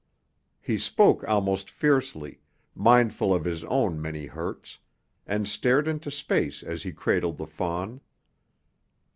He spoke almost fiercely, mindful of his own many hurts, and stared into space as he cradled the fawn.